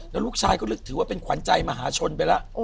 แล้วลูกชายก็ถือว่าเป็นขวัญใจมหาชนไปแล้ว